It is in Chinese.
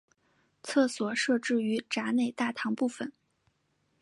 厕所设置于闸内大堂部分。